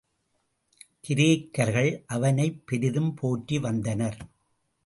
கிரேக்கர்கள் அவனைப் பெரிதும் போற்றி வந்தனர்.